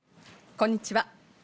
こんにちは。